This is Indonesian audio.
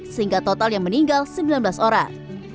sehingga total yang meninggal sembilan belas orang